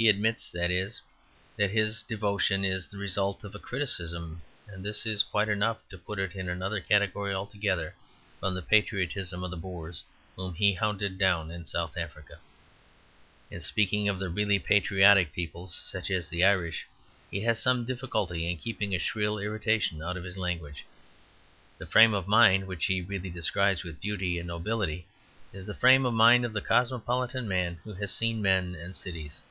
He admits, that is, that his devotion is the result of a criticism, and this is quite enough to put it in another category altogether from the patriotism of the Boers, whom he hounded down in South Africa. In speaking of the really patriotic peoples, such as the Irish, he has some difficulty in keeping a shrill irritation out of his language. The frame of mind which he really describes with beauty and nobility is the frame of mind of the cosmopolitan man who has seen men and cities.